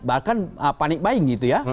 bahkan panik baing itu ya